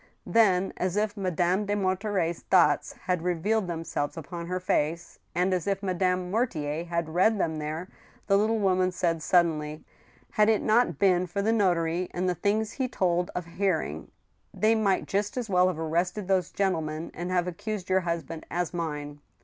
Then, as if Madame de Monterey's thoughts had revealed them selves upon her face, and as if Madame Mortier had read them there, the little woman said, suddenly :*' Had it not been for the notary and the things he told of hear ing, they might just as well have arrested those gentlemen, and have accused your husband as mine."